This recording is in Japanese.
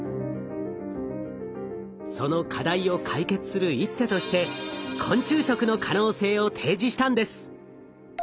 その課題を解決する一手として昆虫食の可能性を提示したんです。